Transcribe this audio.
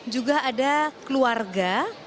juga ada keluarga